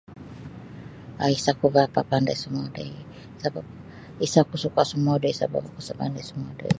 um isa oku barapa mapandai sumodoi ti sabap isa oku suka sumodoi sabap isa oku mapandai sumodoi ti.